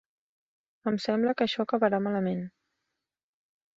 Em sembla que això acabarà malament.